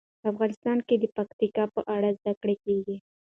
افغانستان کې د پکتیکا په اړه زده کړه کېږي.